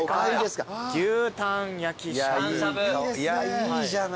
いいじゃない。